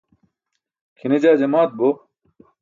kʰine jaa jamaat bo